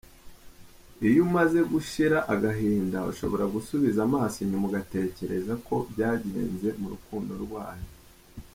Iyo umaze gushira agahinda, ushobora gusubiza amaso inyuma ugatekereza uko byagenze mu rukundo rwanyu.